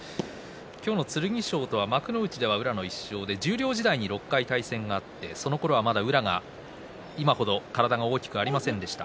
今日の剣翔とは幕内では宇良の１勝で、十両時代に６回対戦があってそのころの宇良は今程体が大きくありませんでした。